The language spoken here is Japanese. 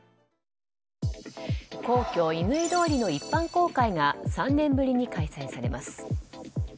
皇居・乾通りの一般公開が３年ぶりに開催されます。